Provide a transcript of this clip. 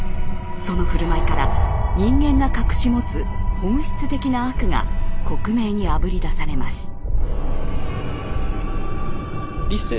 その振る舞いから人間が隠し持つ本質的な「悪」が克明にあぶり出されます。